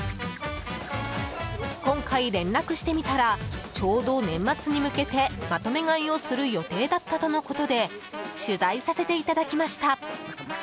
今回、連絡してみたらちょうど年末に向けてまとめ買いをする予定だったとのことで取材させていただきました。